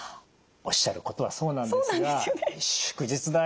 おっしゃることはそうなんですが「祝日だ。